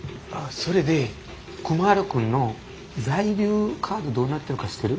それでクマラ君の在留カードどうなってるか知ってる？